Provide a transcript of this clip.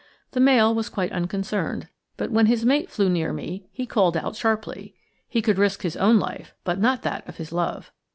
The male was quite unconcerned, but when his mate flew near me, he called out sharply; he could risk his own life, but not that of his love.